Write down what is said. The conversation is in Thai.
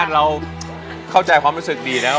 เราเข้าใจความรู้สึกดีแล้ว